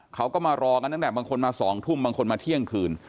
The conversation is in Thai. เขาก็มารอกันตั้งแต่บางคนมา๒ทุ่มบางคนมาเที่ยงคืน